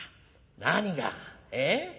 何が？えっ？